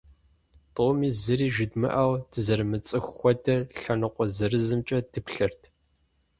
Тӏуми зыри жыдмыӏэу, дызэрымыцӏыху хуэдэ, лъэныкъуэ зырызымкӏэ дыплъэрт.